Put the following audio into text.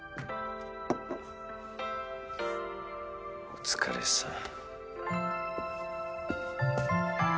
お疲れさん。